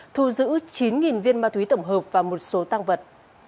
thu giữ chín viên ma túy tổng hợp và một số tăng vật